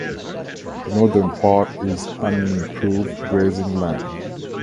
The northern part is unimproved grazing land.